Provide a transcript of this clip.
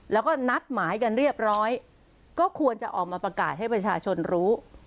แล้วก็นัดหมายกันเรียบร้อยก็ควรจะออกมาประกาศให้ประชาชนรู้